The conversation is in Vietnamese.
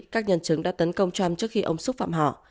các nhân chứng đã tấn công trump trước khi ông xúc phạm họ